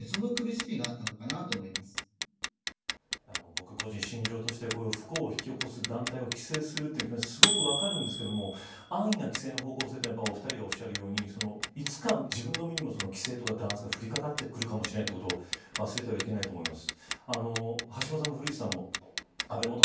僕個人の信条として不幸を引き起こす団体を規制するというのはすごく分かるんですが安易の規制の方向性というのはお２人がおっしゃるようにいつか自分の身にも降りかかってくるかもしれないという言葉を忘れてはいけないと思います。